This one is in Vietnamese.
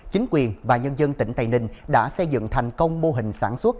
chính quyền và nhân dân tỉnh tây ninh đã xây dựng thành công mô hình sản xuất